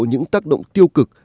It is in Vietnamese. những tác động tiêu cực